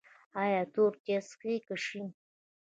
ایا تور چای څښئ که شین؟